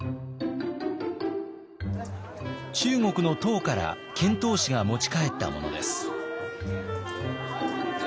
中国の唐から遣唐使が持ち帰ったものです。